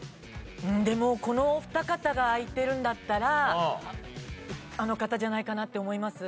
でもこのお二方が開いてるんだったらあの方じゃないかなって思います。